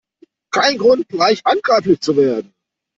Kein Grund, gleich handgreiflich zu werden!